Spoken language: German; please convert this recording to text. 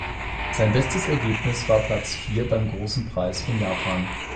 Sein bestes Ergebnis war Platz vier beim Großen Preis von Japan.